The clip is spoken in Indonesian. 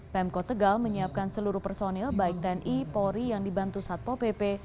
pemkot tegal menyiapkan seluruh personil baik tni polri yang dibantu satpo pp